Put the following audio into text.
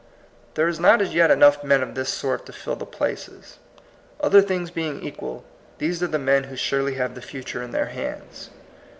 There are not as yet enough men of this sort to fill the places. Other things being equal, these are the men who surely have the future in their hands.